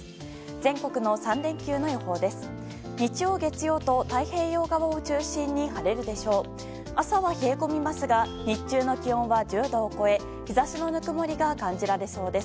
全国の３連休の予報です。